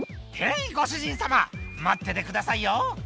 「へいご主人様待っててくださいよ」